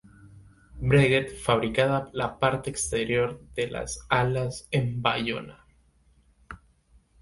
Breguet fabricaba la parte exterior de las alas en Bayona.